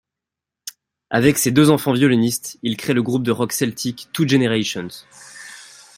Avec ses deux enfants violonistes, il crée le groupe de rock celtique Two Générations.